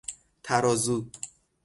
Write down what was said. ترازو